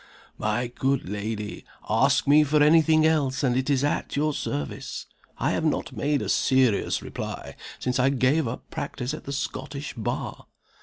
"My good lady, ask me for any thing else and it is at your service. I have not made a serious reply since I gave up practice at the Scottish Bar.